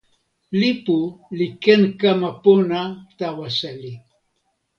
lipu li ken kama pona tawa seli.